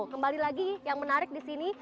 kembali lagi yang menarik disini